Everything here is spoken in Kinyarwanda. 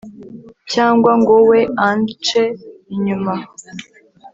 cyangwa ngowe, ance, inyuma